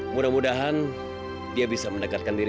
mudah mudahan dia bisa mendekatkan diri